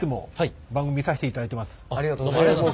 ありがとうございます！